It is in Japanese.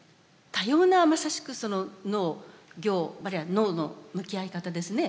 多様なまさしくその農・業あるいは農の向き合い方ですね。